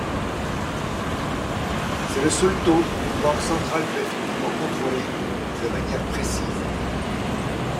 C'est le seul taux qu'une banque centrale peut effectivement contrôler de manière précise.